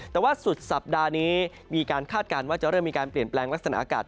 แต่ว่าสุดสัปดาห์นี้มีการคาดการณ์ว่าจะเริ่มมีการเปลี่ยนแปลงลักษณะอากาศ